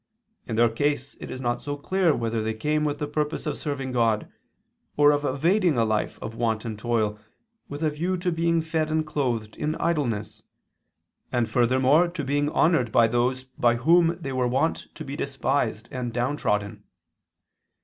In their case it is not so clear whether they came with the purpose of serving God, or of evading a life of want and toil with a view to being fed and clothed in idleness, and furthermore to being honored by those by whom they were wont to be despised and downtrodden.